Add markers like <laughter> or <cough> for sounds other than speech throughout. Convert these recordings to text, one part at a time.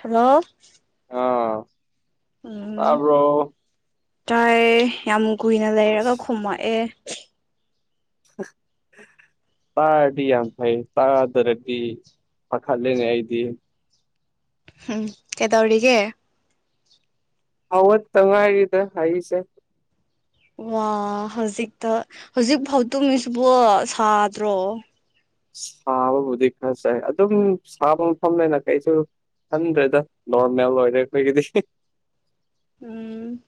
hello ꯑꯥ ꯎꯝ ꯇꯥꯕ꯭ꯔꯣ ꯇꯥꯏꯌꯦ ꯌꯥꯝ ꯀꯨꯏꯅ ꯂꯩꯔꯥꯒ ꯑꯁ ꯈꯨꯝꯃꯛꯑꯦ <unintelligible> ꯇꯥꯔꯥꯗꯤ ꯌꯥꯝ ꯐꯩꯏ ꯇꯥꯗ꯭ꯔꯗꯤ ꯀꯛꯗꯠꯂꯤꯅꯦ ꯑꯩꯗꯤ ꯍꯨꯝ ꯀꯩꯗꯧꯔꯤꯒꯦ ꯍꯧꯒꯠ ꯇ ꯉꯥꯏꯔꯤꯗ ꯑꯩꯁꯦ ꯋꯥ ꯍꯧꯖꯤꯛꯇ ꯍꯧꯖꯤꯛ ꯐꯥꯎ ꯇꯨꯝꯃꯤꯁꯦ ꯁꯥꯗ꯭ꯔꯣ ꯁꯥꯕꯕꯨꯗꯤ ꯈꯔꯥ ꯁꯥꯏ ꯑꯗꯨꯝ ꯁꯥꯕ ꯃꯐꯝꯅꯦꯅꯥ ꯀꯩꯁꯨ ꯈꯟꯗ꯭ꯔꯦꯗ ꯅꯣꯔꯃꯦꯜ ꯑꯣꯏꯔꯦ ꯑꯩꯈꯣꯏꯒꯤꯗꯤ ꯎꯝ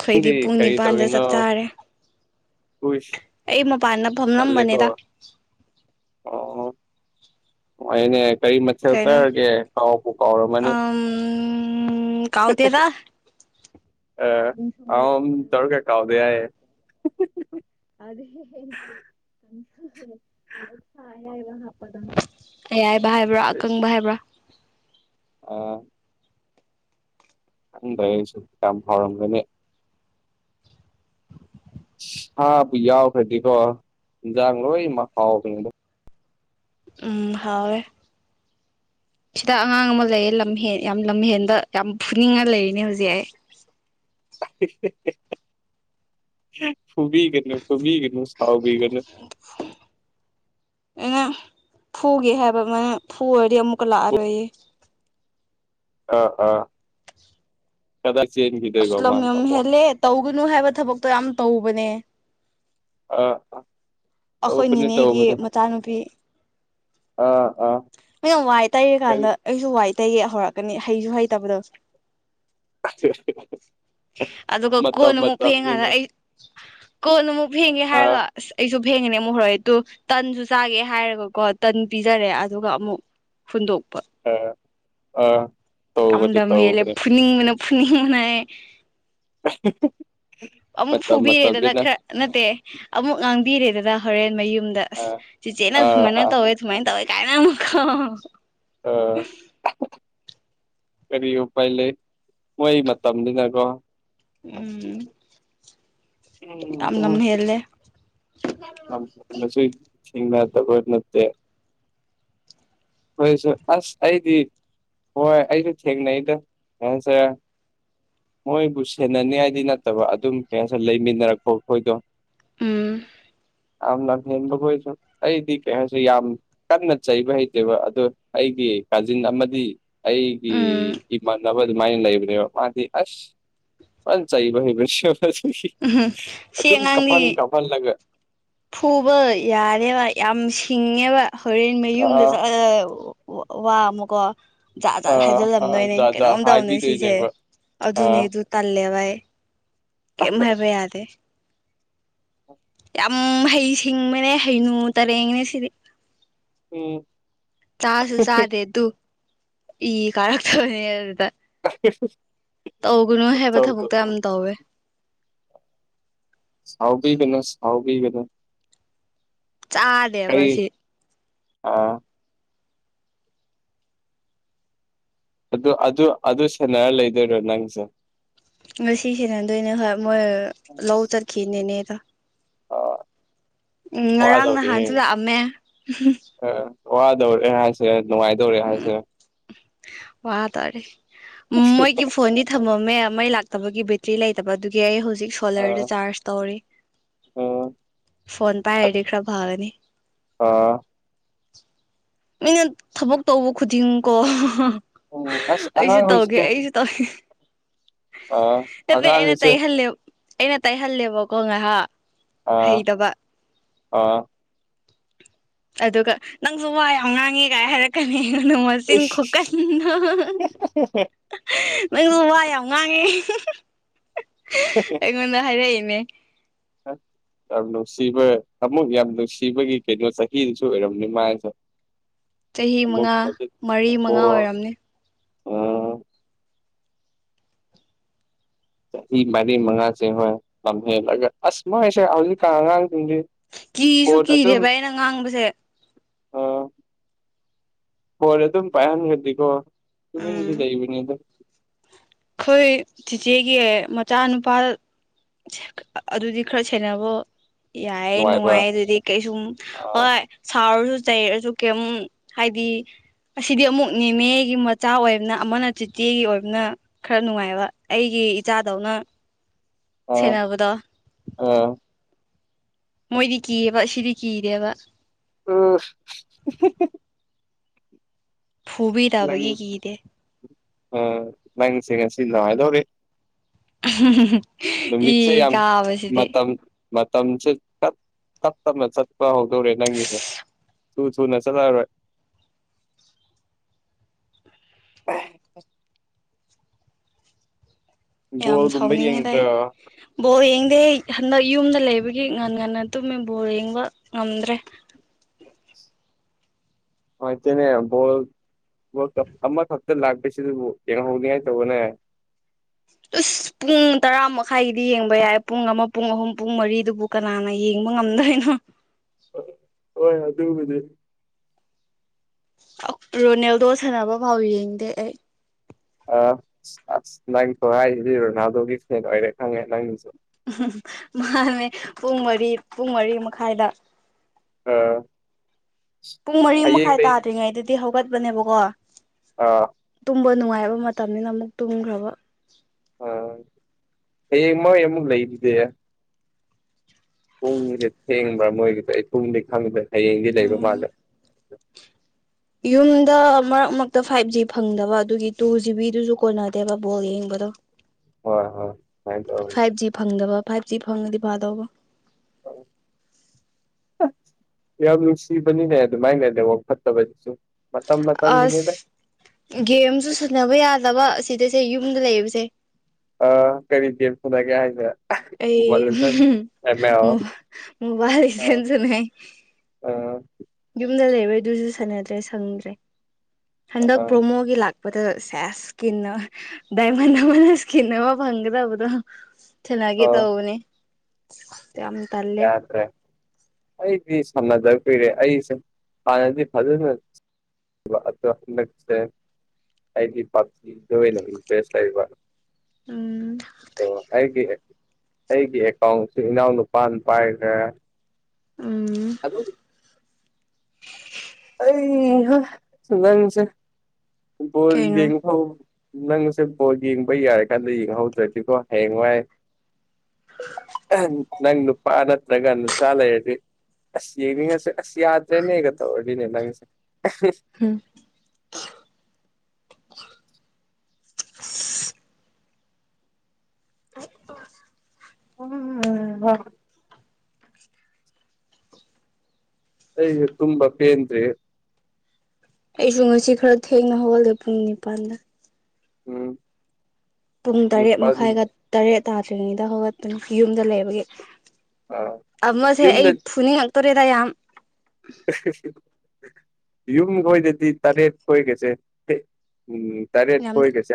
ꯑꯩꯈꯣꯏꯗꯤ ꯅꯪꯗꯤ ꯄꯨꯡ ꯀꯔꯤ ꯅꯤꯄꯥꯟꯗ ꯇꯧꯔꯤꯅꯣ ꯆꯥꯛ ꯆꯔꯦ ꯎꯏꯁ ꯑꯩ ꯃꯄꯥꯟꯗꯥ ꯇꯜꯂꯦꯀꯣ ꯑꯣ ꯍꯣꯏ ꯅꯦ ꯀꯔꯤ ꯃꯠ ꯀꯩꯅꯣ ꯁꯦꯜꯆꯔꯒꯦ ꯀꯥꯎ ꯕꯨ ꯀꯥꯎꯔꯝꯃꯅꯤ ꯑꯝ ꯀꯥꯎꯗꯦꯗ ꯑꯝ ꯑꯝ ꯇꯧꯔꯒꯥ ꯀꯥꯎꯗꯦꯌꯦ ꯑꯗꯦꯕ ꯍꯥꯄꯗ <unintelligible> ꯑꯌꯥꯏꯕ ꯍꯥꯏꯕ꯭ꯔꯥ ꯑꯀꯪꯕ ꯍꯥꯏꯕ꯭ꯔꯥ ꯑꯥ ꯈꯪꯗꯦ ꯑꯩꯁꯨ ꯌꯥꯝ ꯍꯥꯎꯔꯝꯒꯅꯤ ꯏꯁ ꯁꯥꯕꯨ ꯌꯥꯎꯈ꯭ꯔꯗꯤꯀꯣ ꯏꯟꯁꯥꯡ ꯂꯣꯏꯃꯛ ꯍꯥꯎꯕꯤꯅꯤ ꯎꯝ ꯍꯥꯎꯋꯦ ꯁꯤꯗꯥ ꯑꯉꯥꯡ ꯑꯃꯥ ꯂꯩꯌꯦ ꯂꯝꯍꯦꯟ ꯌꯥꯝ ꯂꯝꯍꯦꯟꯕꯥ ꯌꯥꯝ ꯐꯨꯅꯤꯡꯉꯥ ꯂꯩꯔꯤꯅꯦ ꯍꯧꯖꯤꯛ ꯑꯩ <unintelligible> ꯐꯨꯕꯤꯒꯅꯨ ꯐꯨꯕꯤꯒꯅꯨ ꯁꯥꯎꯕꯤꯒꯅꯨ ꯑꯩꯅ ꯐꯨꯒꯦ ꯍꯥꯏꯕ ꯃꯅꯥ ꯐꯨꯔꯥꯗꯤ ꯑꯃꯨꯛꯀꯥ ꯂꯥꯛꯑꯔꯣꯏꯌꯦ ꯑꯥ ꯑꯥ ꯀꯗꯥꯏ ꯑꯁ ꯆꯦꯟꯈꯤꯗꯣꯏꯕ ꯂꯝ ꯃꯅꯥ ꯌꯥꯝ ꯑꯃꯨꯛ ꯍꯦꯜꯂꯦ ꯇꯧꯒꯅꯨ ꯍꯥꯏꯕ ꯊꯕꯛꯇꯣ ꯌꯥꯝ ꯇꯧꯕꯅꯦ ꯑꯥ ꯑꯩꯈꯣꯏ ꯇꯧꯕꯅꯦ ꯅꯤꯅꯦꯒꯤ ꯇꯧꯕꯅꯦ ꯃꯆꯥꯅꯨꯄꯤ ꯑꯥ ꯑꯥ ꯑꯩꯅ ꯋꯥꯏ ꯀꯔꯤ ꯇꯩꯔꯀꯥꯟꯗ ꯑꯩꯁꯨ ꯋꯥꯏ ꯇꯩꯒꯦ ꯍꯧꯔꯛꯀꯅꯤ ꯍꯩꯁꯨ ꯍꯩꯇꯕꯗꯣ <unintelligible> ꯑꯗꯨꯒ ꯃꯇꯝ ꯀꯣꯟ ꯑꯃꯨꯛ ꯐꯦꯡꯀꯥꯟꯗ ꯃꯇꯝꯅꯤꯅ ꯑꯩ ꯀꯣꯟ ꯑꯃꯨꯛ ꯐꯦꯡꯒꯦ ꯑꯥ ꯍꯥꯏꯔꯒ ꯑꯁ ꯑꯩꯁꯨ ꯐꯦꯡꯉꯅꯤ ꯑꯃꯨꯛ ꯍꯧꯔꯦꯇꯨ ꯇꯟꯁꯨ ꯆꯥꯒꯦ ꯍꯥꯏꯔꯒꯀꯣ ꯇꯟ ꯄꯤꯖꯔꯦ ꯑꯗꯨꯒ ꯑꯃꯨꯛ ꯍꯨꯟꯗꯣꯛꯄ ꯑꯥ ꯑꯥ ꯌꯥꯝ ꯇꯧꯕꯅꯦ ꯂꯝ ꯍꯦꯜꯂꯦ ꯇꯧꯕꯅꯦ ꯐꯨꯅꯤꯕꯅꯥ ꯐꯨꯅꯤꯕꯅꯥ ꯑꯩ ꯑꯃꯨꯛ ꯃꯇꯝ ꯐꯨꯕꯤꯔꯦꯗ ꯃꯇꯝꯅꯤꯅ ꯈꯔ ꯅꯠꯇꯦ ꯑꯃꯨꯛ ꯉꯥꯡꯕꯤꯔꯦꯗꯅ ꯍꯣꯔꯦꯟ ꯃꯌꯨꯝꯗ ꯑꯁ ꯑꯥ ꯆꯦꯆꯦꯅ ꯑꯥ ꯁꯨꯃꯥꯏꯅ ꯑꯥ ꯇꯧꯋꯦ ꯁꯨꯃꯥꯏ ꯇꯧꯋꯦ ꯀꯥꯏꯅ ꯑꯃꯨꯛꯀꯣ ꯑꯥ ꯀꯔꯤ ꯎꯄꯥꯏ ꯂꯩ ꯃꯣꯏ ꯃꯇꯝꯅꯤꯅꯀꯣ ꯎꯝ ꯌꯥꯝ ꯂꯝ ꯎꯝ ꯍꯦꯜꯂꯦ <unintelligible> ꯊꯦꯡꯅꯗꯕ ꯅꯠꯇꯦ ꯍꯣꯏꯁꯦ ꯑꯁ ꯑꯩꯗꯤ ꯍꯣꯏ ꯑꯩꯁꯨ ꯊꯦꯡꯅꯩꯗ <unintelligible> ꯃꯣꯏꯕꯨ ꯁꯦꯟꯅꯅꯤ ꯍꯥꯏꯗꯤ ꯅꯠꯇꯕ ꯑꯗꯨꯝ ꯀꯩꯍꯥꯏꯁꯤꯔꯥ ꯂꯩꯃꯤꯟꯅꯔꯛꯄ ꯑꯩꯈꯣꯏꯗꯣ ꯎꯝ ꯌꯥꯝ ꯂꯝ ꯍꯦꯟꯕ ꯈꯣꯏꯁꯨ ꯑꯩꯗꯤ ꯀꯩꯍꯥꯏꯁꯤ ꯌꯥꯝ ꯀꯟꯅ ꯆꯩꯕ ꯍꯩꯇꯦꯕ ꯑꯗꯨ ꯑꯩꯒꯤ ꯀꯖꯤꯟ ꯑꯃꯗꯤ ꯑꯩꯒꯤ ꯎꯝ ꯏꯃꯥꯟꯅꯕ ꯑꯗꯨꯃꯥꯏꯅ ꯂꯩꯕꯅꯦꯕ ꯃꯥꯗꯤ ꯑꯁ ꯐꯖꯟ ꯆꯩꯕ ꯍꯩꯕꯁꯨ ꯎꯝ ꯁꯤ ꯑꯗꯨꯝ ꯑꯉꯥꯡꯗꯤ ꯀꯞꯍꯟ ꯀꯞꯍꯜꯂꯒ ꯐꯨꯕ ꯌꯥꯔꯦꯕ ꯌꯥꯝ ꯁꯤꯡꯉꯦꯕ ꯍꯣꯔꯦꯟ ꯃꯌꯨꯝꯗ ꯑꯥ ꯆꯠꯂ ꯋꯥ ꯑꯃꯀꯣ ꯖꯥꯠ ꯖꯥꯠ ꯑꯥ ꯍꯥꯏꯖꯤꯜꯂꯝ ꯑꯥ ꯗꯣꯏꯅꯦ ꯖꯥꯠ ꯖꯥꯠ ꯀꯩꯅꯣꯝ ꯇꯧꯅꯦ ꯁꯤꯁꯦ ꯍꯥꯏꯕꯤꯗꯣꯏꯅꯦꯕ ꯑꯗꯨꯅꯦ ꯑꯥ ꯑꯗꯨ ꯇꯜꯂꯦꯕ ꯑꯩ ꯀꯩꯝ ꯍꯥꯏꯕ ꯌꯥꯗꯦ <inaudible> ꯌꯥꯝ ꯍꯩ ꯁꯤꯡꯕꯅꯦ ꯍꯩꯅꯨ ꯇꯔꯦꯡꯅꯦ ꯁꯤꯗꯤ ꯎꯝ ꯆꯥꯖꯨ ꯆꯥꯗꯦ ꯑꯗꯨ ꯏ ꯀꯥꯔꯛꯇꯕꯅꯦ ꯑꯗꯨꯗ <unintelligible> ꯇꯧꯒꯅꯨ ꯍꯥꯏꯕ ꯇꯧ ꯇꯧ ꯊꯕꯛꯇ ꯌꯥꯝ ꯇꯧ ꯇꯧꯋꯦ ꯁꯥꯎꯕꯤꯒꯅꯨ ꯁꯥꯎꯕꯤꯒꯅꯨ ꯆꯥꯗꯦꯕ ꯀꯔꯤ ꯁꯤ ꯑꯥ ꯑꯗꯨ ꯑꯗꯨ ꯑꯗꯨ ꯁꯦꯟꯅꯔ ꯂꯩꯗꯣꯏꯔꯣ ꯅꯪꯁꯦ ꯉꯁꯤ ꯁꯤꯅꯗꯣꯏꯅꯦ ꯍꯣꯏ ꯃꯣꯏ ꯂꯧ ꯆꯠꯈꯤ ꯅꯦꯅꯦꯗꯣ ꯑ ꯎꯝ ꯉꯔꯥꯡ ꯅꯍꯥꯟꯁꯨ ꯂꯥꯛꯑꯝꯃꯦ ꯈꯔ ꯋꯥꯗꯧꯔꯦ ꯍꯥꯏ ꯅꯨꯡꯉꯥꯏꯗꯧꯔꯦ ꯎꯝ ꯍꯥꯏꯁꯤꯔ ꯋꯥ ꯗꯧꯔꯦ ꯃꯣꯏꯒꯤ ꯐꯣꯟꯅꯤ ꯊꯝꯃꯝꯃꯦ ꯃꯩ ꯂꯥꯛꯇꯕꯒꯤ ꯕꯦꯇ꯭ꯔꯤ ꯂꯩꯇꯕ ꯑꯗꯨꯒꯤ ꯑꯩ ꯍꯧꯖꯤꯛ ꯑ ꯁꯣꯂꯔꯗ ꯆꯥꯔꯖ ꯇꯧꯔꯤ ꯎꯝ ꯐꯣꯟ ꯄꯥꯏꯔꯗꯤ ꯈꯔ ꯐꯒꯅꯤ ꯑꯥ ꯃꯤꯅ ꯊꯕꯛ ꯇꯧꯕ ꯈꯨꯗꯤꯡꯀꯣ ꯎꯝ ꯑꯁ ꯑꯩꯁꯨ ꯑꯉꯥꯡꯈꯩꯁꯦ ꯇꯧꯒꯦ ꯑꯩꯁꯨ ꯇꯧꯒꯦ ꯑ ꯑꯗꯨꯗꯤ ꯑꯩꯅ ꯑꯉꯥꯡꯈꯩꯁꯦ ꯇꯩꯍꯜꯂꯦ ꯑꯩꯅ ꯇꯩꯍꯜꯂꯦꯕꯀꯣ ꯉꯥꯏꯍꯥꯛ ꯑꯥ ꯍꯩꯇꯕ ꯑꯥ ꯑꯗꯨꯒ ꯅꯪꯖꯨ ꯋꯥ ꯌꯥꯝ ꯉꯥꯡꯉꯦ ꯒꯥꯏ ꯍꯥꯏꯔꯛ ꯀꯅꯤ ꯃꯆꯤꯟ ꯏꯁ ꯈꯨꯀꯟ ꯑꯃ <unintelligible> ꯅꯪꯗꯣ ꯋꯥ ꯌꯥꯝ ꯉꯥꯡꯉꯦ ꯑꯩꯉꯣꯟꯗ ꯍꯥꯏꯔꯛꯏꯅꯦ ꯌꯥꯝ ꯅꯨꯡꯁꯤꯕ ꯑꯃꯛ ꯌꯥꯝ ꯅꯨꯡꯁꯤꯕꯒꯤ ꯀꯩꯅꯣ ꯆꯍꯤꯗꯨꯁꯨ ꯑꯣꯏꯔꯝꯅꯤ ꯃꯥꯁꯦ ꯆꯍꯤ ꯑꯃꯨꯛ ꯃꯉꯥ ꯍꯧꯖꯤꯛ ꯃꯔꯤ ꯃꯉꯥ ꯑꯣꯏꯔꯝꯅꯦ ꯑꯣ ꯆꯥꯍꯤ ꯃꯥꯔꯤ ꯃꯉꯁꯦ ꯂꯝꯍꯦꯜꯂꯒ ꯑꯁ ꯃꯥꯏꯁꯦ ꯍꯧꯖꯤꯛꯀꯥꯟ ꯑꯉꯥꯡꯁꯤꯡꯖꯤ ꯀꯤꯁꯨ ꯀꯤꯔꯦꯕ ꯑꯩꯅ ꯉꯥꯡꯕꯁꯦ ꯑ ꯐꯣꯟ ꯑꯗꯨꯝ ꯄꯥꯏꯍꯟꯈ꯭ꯔꯗꯤꯀꯣ ꯇꯨꯃꯤꯟꯗꯤ ꯎꯝ ꯂꯩꯕꯅꯤ ꯑꯗꯨꯝ ꯑꯩꯈꯣꯏ ꯆꯤꯆꯦꯒꯤ ꯃꯆꯥꯅꯨꯄꯥ ꯑꯗꯨꯗꯤ ꯈꯔ ꯁꯦꯟꯅꯅꯕꯣ ꯌꯥꯏꯌꯦ ꯅꯨꯡꯉꯥꯏꯕ ꯅꯨꯡꯉꯥꯏꯌꯦ ꯑꯗꯨꯗꯤ ꯀꯩꯁꯨꯝ ꯑꯥ ꯍꯣꯏ ꯁꯥꯎꯔꯖꯨ ꯆꯩꯩꯔꯁꯨ ꯀꯩꯝ ꯍꯥꯏꯗꯤ ꯑꯁꯤꯗꯤ ꯑꯃꯨꯛ ꯅꯃꯦ ꯒꯤ ꯃꯆꯥ ꯑꯣꯏꯕꯅ ꯑꯃꯅ ꯆꯤꯆꯦꯒꯤ ꯑꯣꯏꯕꯅ ꯈꯔ ꯅꯨꯡꯉꯥꯏꯕ ꯑꯩꯒꯤ ꯏꯆꯥꯗꯧꯅ ꯑꯥ ꯁꯦꯅꯕꯗꯣ ꯑꯥ ꯃꯣꯏꯗꯤ ꯀꯤꯑꯕ ꯁꯤꯗꯤ ꯀꯤꯗꯦꯕ ꯎꯝ ꯅꯪ ꯄꯨꯕꯤꯗꯕꯒꯤ ꯀꯤꯗꯦ ꯑꯥ ꯅꯪ ꯁꯦ ꯉꯁꯤ ꯅꯨꯉꯥꯗꯧꯔꯤ ꯏ ꯀꯥꯕꯁꯤꯗꯤ ꯃꯇꯝꯁꯦꯞ ꯇꯞ ꯇꯞꯅ ꯆꯠꯄ ꯍꯧꯗꯧꯔꯦ ꯅꯪꯒꯤꯁꯦ ꯇꯨ ꯊꯨ ꯅ ꯆꯂꯔꯣꯏ ꯌꯥꯝ ꯕꯣꯜꯒꯨꯝꯕ ꯁꯥꯎꯅꯤꯡꯉꯦꯗ ꯌꯦꯡꯗ꯭ꯔꯣ ꯕꯣꯜ ꯌꯦꯡꯗꯦ ꯍꯟꯗꯛ ꯌꯨꯝꯗ ꯂꯩꯕꯒꯤ ꯉꯟ ꯉꯟꯅ ꯇꯨꯝꯃꯤ ꯕꯣꯜ ꯌꯦꯡꯕ ꯉꯝꯗ꯭ꯔꯦ <unintelligible> ꯑꯆꯅꯦ ꯑ ꯃ ꯍꯞ ꯂꯥꯛꯄꯤꯁꯗꯕꯨ ꯌꯦꯡ ꯍꯣꯅꯤ ꯇꯒꯣꯅꯦ ꯑꯁ ꯄꯨꯡ ꯇꯔꯥ ꯃꯈꯥꯏꯒꯤꯗꯤ ꯌꯦꯡꯕ ꯌꯥꯏ ꯄꯨꯡ ꯑꯃ ꯄꯨꯡ ꯑꯍꯨꯝ ꯄꯨꯡ ꯃꯔꯤꯗꯨꯕꯨ ꯀꯅꯥꯅ ꯌꯦꯡꯕ ꯉꯝꯗꯣꯏꯅꯣ ꯍꯣꯏꯣꯏ ꯑꯗꯨꯕꯨꯗꯤ ꯔꯣꯅꯦꯜꯗꯣ ꯁꯥꯟꯅꯕ ꯐꯥꯎ ꯌꯦꯡꯗꯦ ꯑꯩ ꯑ ꯑ ꯑꯁ ꯅꯪꯁꯨ ꯍꯥꯏꯔꯤꯗꯤ ꯔꯣꯅꯥꯜꯗꯣꯒꯤ ꯐꯦꯟ ꯑꯣꯏꯔꯦ ꯈꯪꯉꯦ ꯅꯪꯒꯤꯁꯨ ꯎꯝ ꯃꯥꯅꯦ ꯄꯨꯡ ꯃꯔꯤ ꯄꯨꯡ ꯃꯔꯤ ꯃꯈꯥꯏꯗ ꯑꯣ ꯄꯨꯡ ꯃꯔꯤ ꯃꯈꯥꯏ ꯇꯥꯗ꯭ꯔꯤꯉꯩꯗꯗꯤ ꯍꯧꯒꯠꯄꯅꯦꯕꯀꯣ ꯑꯥ ꯇꯨꯝꯕ ꯅꯨꯡꯉꯥꯏꯔꯕ ꯃꯇꯝꯅꯤꯅ ꯑꯃꯨꯛ ꯇꯨꯝꯈ꯭ꯔꯕ ꯍꯥꯌꯦꯡ ꯃꯣꯏ ꯑꯃꯨꯛ ꯂꯩꯗꯦ ꯄꯨꯡꯁꯦ ꯊꯦꯡꯕ꯭ꯔꯥ ꯃꯣꯏꯒꯤꯁꯨ ꯑꯩ ꯄꯨꯡꯗꯤ ꯈꯪꯗ꯭ꯔꯦ ꯍꯌꯦꯡꯗꯤ ꯂꯩꯕ ꯎꯝ ꯃꯥꯜꯂꯦ ꯌꯨꯝꯗ ꯃꯔꯛ ꯃꯔꯛꯇ ꯐꯥꯏꯚ ꯖꯤ ꯐꯪꯗꯕ ꯑꯗꯨꯒꯤ ꯇꯨ ꯖꯤ ꯕꯤꯗꯨꯁꯨ ꯀꯣꯟꯅꯗꯦꯕ ꯕꯣꯜ ꯌꯦꯡꯕꯗꯣ ꯍꯣꯏ ꯍꯣꯏ ꯁꯨꯃꯥꯏꯅ ꯇꯧꯋꯤ ꯐꯥꯏꯚ ꯖꯤ ꯐꯪꯗꯕ ꯐꯥꯏꯚ ꯖꯤ ꯐꯪꯉꯗꯤ ꯐꯥꯗꯧꯕ <unintelligible> ꯌꯥꯝ ꯅꯨꯡꯁꯤꯕꯅꯤꯅꯦ ꯑꯗꯨꯃꯥꯏꯅꯅꯦ ꯋꯥ ꯐꯠꯇꯕꯗꯨꯁꯨ ꯑꯁ ꯒꯦꯝꯁꯨ ꯁꯥꯟꯅꯕ ꯌꯥꯗꯕ ꯁꯤꯗꯁꯦ ꯌꯨꯝꯗ ꯂꯩꯕꯁꯦ ꯑ ꯀꯔꯤ ꯒꯦꯝ ꯁꯅꯒꯦ ꯍꯥꯏꯁꯦ ꯃꯣꯕꯥꯏꯜ ꯑꯩ ꯂꯤꯖꯦꯟ ꯑꯦꯝ ꯑꯦꯜ ꯃꯣꯕꯥꯜꯁꯨ ꯑꯣ ꯌꯨꯝꯗ ꯂꯩꯕꯩꯗꯨꯁꯨ ꯁꯥꯟꯅꯗ꯭ꯔꯦ ꯁꯪꯗ꯭ꯔꯦ ꯍꯟꯗꯛ ꯑꯥ ꯄꯕ꯭ꯔꯣꯃꯣꯒꯤ ꯂꯥꯛ ꯄ ꯁꯦꯁ ꯁꯀꯤꯅ ꯗꯗꯥꯏꯃꯟꯗꯃꯅ ꯁꯀꯤꯟ ꯋꯥ ꯐꯪꯒꯗ ꯄ ꯊꯅꯒꯦ ꯑꯥ ꯇꯧꯕꯅꯦ ꯌꯥꯝ ꯇꯜꯂꯦ ꯌꯥꯗ꯭ꯔꯦ ꯑꯩꯗꯤ ꯁꯝꯅꯗꯕ ꯀꯨꯏꯔꯦ ꯑꯩꯁꯦ ꯍꯥꯟꯅꯗꯤ ꯐꯖꯅ <unintelligible> ꯑꯗꯥ ꯍꯟꯗꯛꯁꯦ ꯑꯩꯗꯤ ꯄꯞꯖꯤꯗꯥ ꯑꯣꯏꯅꯥ ꯏꯟꯇꯔꯦꯁ ꯂꯩꯕ ꯎꯝ ꯑꯩꯒꯤ ꯑꯩꯒꯤ ꯑꯦꯀꯥꯎꯟꯁꯤ ꯏꯅꯥꯎ <unintelligible> ꯄꯥꯟ ꯄꯥꯏ ꯍꯦ ꯎꯝ ꯑꯗꯣ ꯍꯩ ꯍꯥ <unintelligible> ꯐꯨꯕꯣꯜ ꯀꯩꯅꯣ ꯌꯦꯡꯕ ꯅꯪꯁꯦ ꯕꯣꯜ ꯌꯦꯡꯕ ꯌꯥꯔ ꯀꯥꯟꯗ ꯌꯦꯡꯍꯧꯗ꯭ꯔꯗꯤꯀꯣ ꯍꯌꯦꯡꯋꯥꯏ ꯅꯪ ꯅꯨꯄꯥ ꯅꯠꯇꯔꯒ ꯅꯆꯥ ꯂꯩꯔꯗꯤ ꯑꯁ ꯌꯦꯅꯤꯡꯉꯁꯨ ꯑꯁ ꯌꯥꯗ꯭ꯔꯦꯅꯦꯒ ꯇꯧꯔꯅꯤꯅꯦ ꯅꯪꯁꯦ ꯍꯝ <unintelligible> ꯎꯝ <unintelligible> ꯑꯩ ꯇꯨꯝꯕ ꯄꯦꯟꯗꯦ ꯑꯩꯁꯨ ꯉꯁꯤ ꯈꯔ ꯊꯦꯡꯅ ꯍꯧꯒꯠꯂꯦ ꯄꯨꯡ ꯅꯤꯄꯥꯟ ꯎꯝ ꯄꯨꯡ ꯇꯔꯦꯠ ꯅꯤꯄꯥꯜ ꯃꯈꯥꯏꯒ ꯇꯔꯦꯠ ꯇꯥꯗ꯭ꯔꯤꯉꯩꯗ ꯍꯧꯒꯇꯄꯥ ꯌꯨꯝꯗ ꯂꯩꯕꯒꯤ ꯑꯥ ꯑꯃꯁꯦ ꯑꯩ ꯌꯨꯝꯗ ꯐꯨꯅꯤꯡꯉꯛꯇꯣꯔꯦꯗ ꯌꯥꯝ ꯌꯨꯝ ꯈꯣꯏꯗꯗꯤ ꯇꯔꯦꯠ ꯈꯣꯏꯒꯁꯦ ꯎꯝ ꯇꯔꯦꯠ ꯌꯥꯝꯗꯤ ꯍꯣꯏꯒꯁꯦ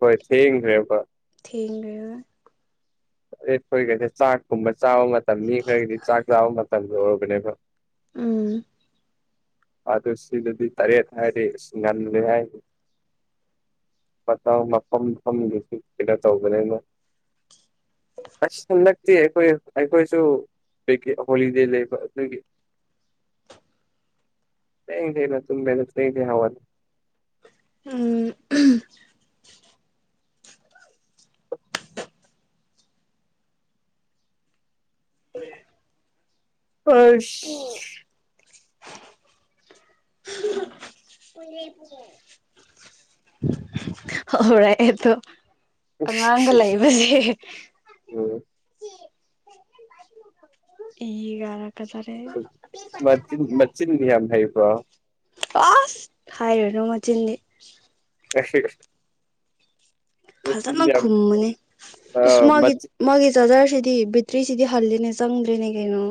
ꯍꯣꯏ ꯊꯦꯡꯈ꯭ꯔꯦꯕ ꯊꯦꯡꯒꯔꯦ ꯇꯔꯦꯠ ꯈꯣꯏꯒꯥꯖꯦ ꯆꯥꯛꯀꯨꯝꯕ ꯆꯥꯕ ꯃꯇꯝ ꯈꯔꯒꯤꯗꯤ ꯆꯥꯛ ꯆꯥꯕ <unintelligible> ꯃꯥꯇꯝ ꯌꯧꯔꯕꯅꯦꯕ ꯎꯝ ꯑꯗꯨ ꯁꯤꯗꯗꯤ ꯇꯔꯦꯠ ꯍꯥꯏꯗꯤ ꯉꯜꯂꯦ ꯍꯥꯏ <unintelligible> ꯃꯇꯝ ꯃꯐꯝ ꯃꯐꯝꯗꯨꯁꯨ ꯀꯩꯅꯣ ꯇꯧꯧꯕꯅꯦꯅ ꯑꯁ ꯍꯟꯗꯛꯇꯤ ꯑꯩꯈꯣꯏ ꯑꯩꯈꯣꯏꯁꯨ ꯍꯣꯂꯤꯗꯦ ꯂꯩꯕ ꯑꯗꯨꯒꯤ ꯊꯦꯡ ꯊꯦꯡꯅꯥ ꯇꯨꯝꯃꯦ ꯑꯗꯨ ꯊꯦꯡ ꯊꯦꯡ ꯍꯧꯒꯠꯂꯦ ꯎꯝ <unintelligible> ꯑꯁ <unintelligible> ꯍꯣꯔꯛꯑꯦ ꯇꯣ ꯑꯉꯥꯡꯒ ꯂꯩꯕꯁꯦ ꯎꯝ ꯑꯩꯔꯥ <unintelligible> ꯃꯆꯤꯟ ꯃꯆꯤꯟꯗꯤ ꯌꯥꯝ ꯍꯩꯕ꯭ꯔꯣ ꯐꯁ ꯍꯥꯏꯔꯅꯣ ꯃꯆꯤꯟꯗꯤ <unintelligible> ꯐꯖꯅ ꯌꯥꯝ ꯈꯨꯝꯕꯅꯤ ꯑ ꯑꯁ ꯃꯥꯒꯤ ꯃꯆꯤꯟ ꯃꯥꯒꯤ ꯆꯥꯔꯖꯔꯁꯤꯗꯤ ꯕꯦꯇ꯭ꯔꯤꯁꯤꯗꯤ ꯍꯜꯂꯤꯅꯦ ꯆꯪꯗ꯭ꯔꯦꯅꯦ ꯀꯩꯅꯣ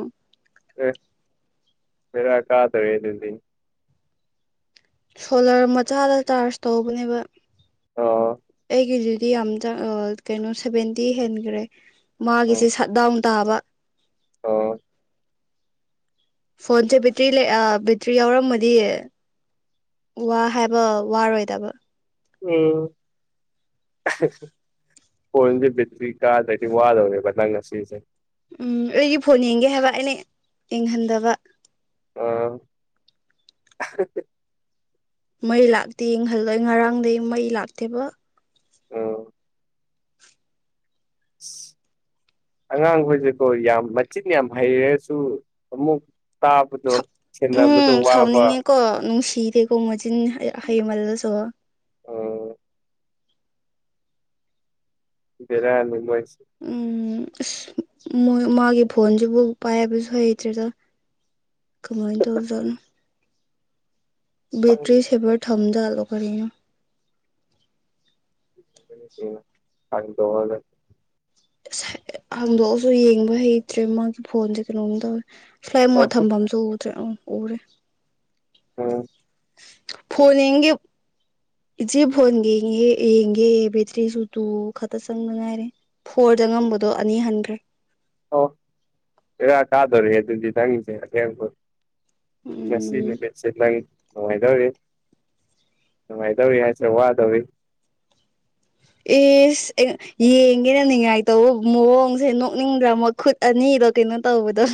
ꯑꯦ ꯕꯦꯔꯥꯥ ꯀꯥꯗꯔꯦ ꯑꯗꯨꯗꯤ ꯁꯣꯂꯔ ꯃꯆꯥꯗ ꯆꯥꯔꯖ ꯇꯧꯕꯅꯦꯕ ꯑꯣ ꯑꯩꯒꯤꯗꯨꯗꯤ ꯌꯥꯝ ꯀꯩꯅꯣ ꯁꯚꯦꯟꯇꯤ ꯍꯦꯟꯈ꯭ꯔꯦ ꯑꯣ ꯃꯥꯒꯤꯁꯦ ꯁꯠ ꯗꯥꯎꯟ ꯇꯥꯕ ꯑꯣ ꯐꯣꯟꯁꯦ ꯕꯦꯇ꯭ꯔꯤ ꯂꯩ ꯕꯦꯇ꯭ꯔꯤ ꯌꯥꯎꯔꯝꯃꯗꯤ ꯋꯥ ꯍꯥꯏꯕ ꯋꯥꯔꯣꯏꯗꯕ ꯎꯝ ꯀꯟꯗꯤ ꯇꯔꯤ ꯀꯥ ꯇ ꯋꯥꯗ ꯑꯣꯏꯧꯦꯕ ꯅꯥꯡ ꯉꯁꯤꯁꯦ ꯎꯝ ꯑꯩꯒꯤ ꯐꯣꯟ ꯌꯦꯡꯒꯦ ꯍꯥꯏꯕ ꯑꯩꯅ ꯌꯦꯡꯍꯟꯗꯕ ꯑꯝ ꯃꯩ ꯂꯥꯛꯇꯦꯍꯜꯂꯣꯏ ꯉꯔꯥꯡꯗꯒꯤꯩ ꯃꯩ ꯂꯥꯛꯇꯦꯕ ꯑꯥ <inaudible> ꯑꯉꯥꯡꯈꯣꯏꯁꯦꯀꯣ ꯌꯥꯝ ꯃꯆꯤꯟ ꯌꯥꯝ ꯍꯩꯔꯁꯨ ꯑꯃꯨꯛ ꯇꯥꯕꯗꯣ ꯁꯥꯎ ꯁꯦꯟꯅꯕꯗꯣ ꯎꯝ ꯋꯥꯕ ꯁꯥꯎꯅꯤꯡꯉꯦꯀꯣ ꯅꯨꯡꯁꯤꯗꯦꯀꯣ ꯃꯥꯆꯤꯟ ꯍꯩꯃꯜꯂꯁꯨ ꯑꯣ ꯕꯔꯅꯤ ꯃꯣꯏꯁꯤ ꯎꯝ ꯑꯁ ꯃꯣꯏ ꯃꯥꯒꯤ ꯐꯣꯟꯁꯤꯕꯨ ꯄꯥꯏꯕꯁꯨ ꯍꯩꯇ꯭ꯔꯦꯗ ꯀꯃꯥꯏꯅ ꯇꯧꯖꯅꯣ ꯕꯦꯇ꯭ꯔꯤ ꯁꯦꯚꯔ ꯊꯝꯖꯥꯠꯂꯣ ꯀꯔꯤꯅꯣ <unintelligible> ꯍꯥꯡꯗꯣꯛꯑꯁꯨ ꯌꯦꯡꯕ ꯍꯩꯇ꯭ꯔꯦ ꯃꯥꯒꯤ ꯐꯣꯟꯁꯦ ꯀꯩꯅꯣꯝ ꯇꯧꯋꯦ ꯁ꯭ꯂꯥꯏ ꯃꯣꯠ ꯊꯝꯐꯝꯁꯨꯨ ꯎꯗ꯭ꯔꯦ ꯑ ꯎꯔꯦ ꯐꯣꯟ ꯌꯦꯡꯒꯦ ꯏꯆꯦ ꯐꯣꯟ ꯌꯦꯡꯉꯦ ꯌꯦꯡꯒꯦ ꯕꯦꯇ꯭ꯔꯤ ꯁꯨ ꯇꯨ ꯈꯛꯇ ꯆꯪꯅꯉꯥꯏꯔꯦ ꯐꯣꯔꯗ ꯉꯝꯕꯗꯣ ꯑꯅꯤ ꯍꯟꯈ꯭ꯔꯦ ꯑꯣ ꯏꯔꯥ ꯇꯥꯗꯣꯣꯔꯦ ꯑꯗꯨꯗꯤ ꯆꯪꯁꯦ ꯑꯦꯡꯈ ꯎꯝ ꯉꯁꯤꯅꯨꯃꯤꯠꯁꯦ ꯅꯪ ꯅꯨꯡꯉꯥꯏꯗꯧꯔꯤ ꯅꯨꯡꯉꯥꯏꯗꯧꯔꯤ ꯍꯥꯏꯁꯤꯔ ꯋꯥꯗꯧꯔꯤ ꯏꯁ ꯌꯦꯡꯒꯦꯅ ꯅꯤꯡꯉꯥꯏ ꯇꯧꯕ ꯃꯑꯣꯡꯁꯦ ꯅꯣꯛꯅꯤꯡꯗ꯭ꯔ ꯃꯈꯠ ꯑꯅꯤꯗꯣ ꯀꯩꯅꯣ ꯇꯧꯕꯗꯣ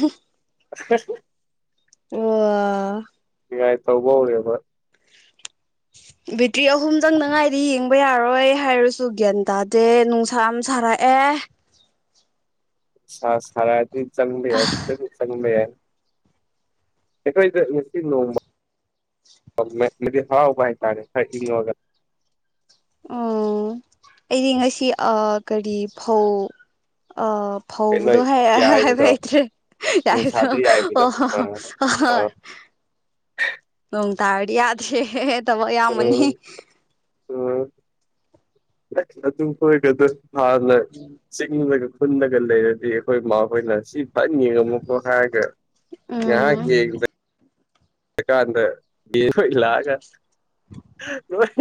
ꯑꯣ ꯉꯥꯏ ꯇꯧꯕ ꯍꯧꯔꯦꯕ ꯕꯦꯇ꯭ꯔꯤ ꯑꯍꯨꯝ ꯆꯪꯅꯉꯥꯏꯗꯤ ꯌꯦꯡꯕ ꯌꯥꯔꯣꯏ ꯍꯥꯏꯔꯁꯨ ꯒ꯭ꯌꯥꯟ ꯇꯥꯗꯦ ꯅꯨꯡꯁꯥ ꯑꯃ ꯁꯥꯔꯛꯦ ꯑꯦ ꯁꯥ ꯁꯔꯗꯤ ꯆꯪꯕ ꯌꯥ ꯌꯥ ꯆꯪꯕ ꯌꯥꯏ ꯑꯩꯈꯣꯏꯁꯤ ꯅꯣꯡꯃ ꯃꯩꯗꯤ ꯍꯔꯥꯎꯕ ꯍꯥꯏ ꯇꯥꯔꯦ ꯈꯔ ꯏꯪꯉꯒ ꯑꯣ ꯑꯩꯗꯤ ꯉꯁꯤ ꯀꯔꯤ ꯐꯧ ꯀꯩꯅꯣ ꯐꯧꯕꯗꯣ ꯍꯥꯏ ꯌꯥꯏꯕꯗꯣ ꯍꯥꯏꯕꯇ꯭ꯔꯦ ꯌꯥꯗ ꯅꯨꯡꯁꯥꯗ ꯌꯥꯏꯕꯗꯣ ꯑꯣ ꯑꯥ ꯍꯣꯏ ꯑꯥ ꯎꯝ ꯇ ꯌꯥꯗ꯭ꯔꯦ ꯇꯕꯣ ꯌꯥꯝꯃꯅꯤ ꯎ ꯑꯗꯨꯝ ꯀꫭꯏꯗꯦ ꯍꯥꯟꯅ ꯆꯤꯡꯗꯒ ꯈꯨꯟꯂꯒ ꯂꯩꯔꯗꯤ ꯑꯩꯈꯣꯏ ꯃꯥꯣꯏꯅ ꯁꯤ ꯐꯅ ꯌꯦꯡꯉꯝꯃꯨꯀꯣ ꯍꯥꯏꯔꯒ ꯌꯥ ꯎꯝ ꯍꯦꯒꯗ ꯆ ꯆꯠꯀꯥꯟꯗ ꯌꯦ ꯂꯣꯏ ꯂꯥꯛꯑꯒ ꯅꯣꯏ